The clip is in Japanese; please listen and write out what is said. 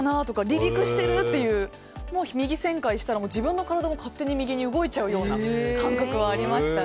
離陸したら右旋回したら自分の体も勝手に右に動いちゃうような感覚はありました。